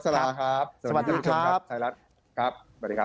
สวัสดีครับสวัสดีครับถ่ายรัฐครับสวัสดีครับ